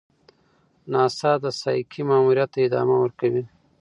ناسا د سایکي ماموریت ته ادامه ورکوي.